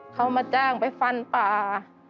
เขามาจ้างไปฟันป่า